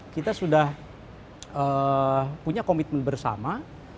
kita sudah punya komitmen bersama